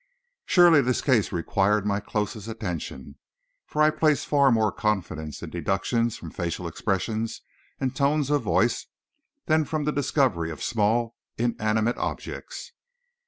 Surely this case required my closest attention, for I place far more confidence in deductions from facial expression and tones of the voice, than from the discovery of small, inanimate objects.